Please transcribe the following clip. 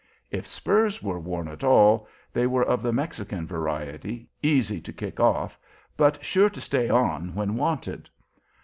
If spurs were worn at all, they were of the Mexican variety, easy to kick off, but sure to stay on when wanted.